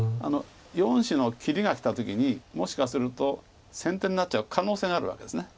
４子の切りがきた時にもしかすると先手になっちゃう可能性があるわけです